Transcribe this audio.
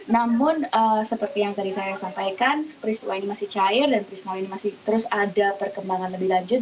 namun seperti yang tadi saya sampaikan peristiwa ini masih cair dan peristiwa ini masih terus ada perkembangan lebih lanjut